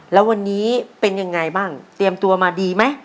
แล้ววันนี้เป็นยังไงบ้างเตรียมตัวมาดีไหม